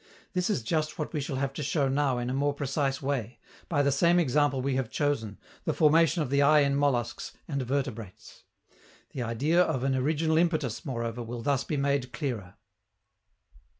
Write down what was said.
This is just what we shall have to show now in a more precise way, by the same example we have chosen, the formation of the eye in molluscs and vertebrates. The idea of an "original impetus," moreover, will thus be made clearer.